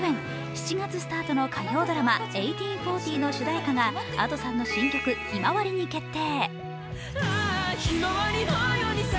７月スタートの火曜ドラマ「１８／４０」の主題歌がＡｄｏさんの新曲「向日葵」に決定。